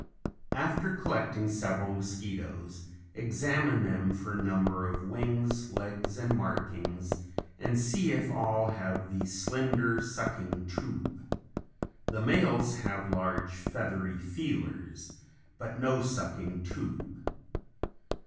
After collecting several mosquitoes examine them for number of wings, legs and markings and see if all have the slender sucking tube. The males have large feathery feelers, but no sucking tube.